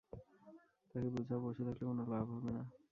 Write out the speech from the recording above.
তাকে বুঝাও, বসে থাকলে কোনও লাভ হবে না।